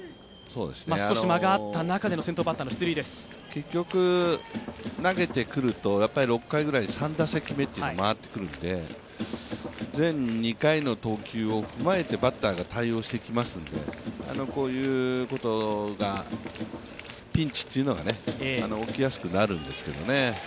結局、投げてくると６回ぐらいで３打席目が回ってくるんで前２回の投球を踏まえてバッターが対応してきますので、こういうことが、ピンチというのが起きやすくなるんですけどね。